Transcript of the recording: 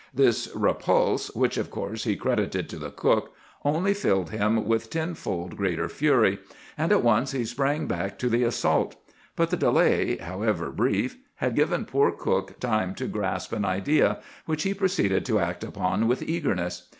"This repulse—which, of course, he credited to the cook—only filled him with tenfold greater fury, and at once he sprang back to the assault; but the delay, however brief, had given poor cook time to grasp an idea, which he proceeded to act upon with eagerness.